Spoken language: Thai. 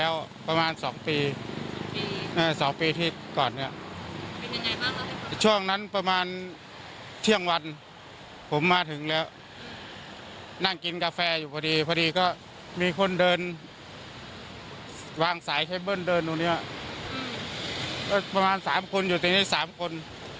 วางสายเคเบิ้ลเดินตรงนี้ประมาณ๓คนอยู่ตรงนี้๓คน